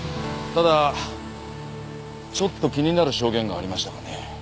ただちょっと気になる証言がありましたがね。